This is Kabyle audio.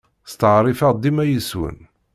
Steɛṛifeɣ dima yes-wen.